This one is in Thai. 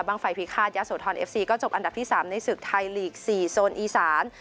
ไฟพิฆาตยะโสธรเอฟซีก็จบอันดับที่๓ในศึกไทยลีก๔โซนอีสาน